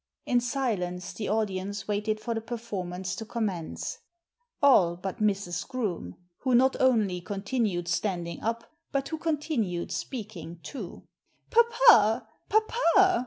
In silence the audience waited for the performance to commence. All but Mrs. Groome, who not only continued standing up, but who continued speaking too. "Papa! Papa!